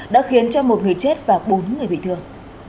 đã khiến cho một người chết và bốn người bị thương